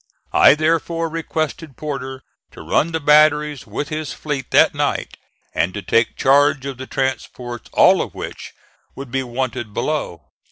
I therefore requested Porter to run the batteries with his fleet that night, and to take charge of the transports, all of which would be wanted below.